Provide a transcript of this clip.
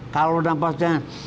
kalau bernafas jangan